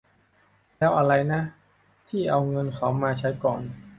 แล้วอะไรนะ ที่เอาเงินเขามาใช้ก่อน